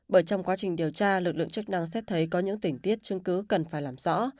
bởi trong quá trình điều tra lực lượng chức năng xét thấy có những tình tiết chứng cứ cần phải làm rõ